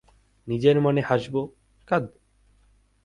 নিজের মনে হাসব, কাঁদব।